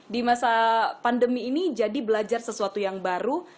di masa pandemi ini jadi belajar sesuatu yang baru